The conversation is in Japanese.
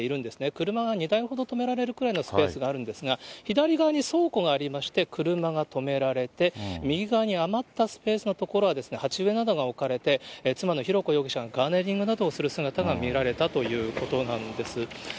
車が２台ほど止められるくらいのスペースがあるんですが、左側に倉庫がありまして、車が止められて、右側に余ったスペースの所は鉢植えなどが置かれて、妻の浩子容疑者がガーデニングなどをする姿が見られたということなんです。